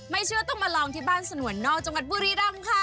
เชื่อต้องมาลองที่บ้านสนวนนอกจังหวัดบุรีรำค่ะ